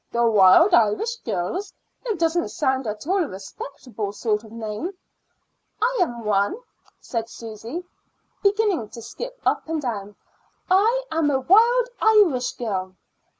"The Wild Irish Girls! It doesn't sound at all a respectable sort of name." "I am one," said Susy, beginning to skip up and down. "I am a Wild Irish Girl."